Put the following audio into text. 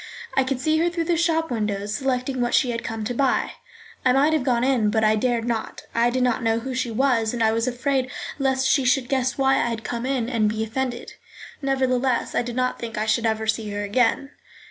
I could see her through the shop windows selecting what she had come to buy. I might have gone in, but I dared not. I did not know who she was, and I was afraid lest she should guess why I had come in and be offended. Nevertheless, I did not think I should ever see her again.